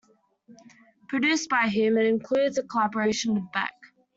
Produced by him, it includes a collaboration with Beck.